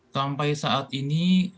sampai saat ini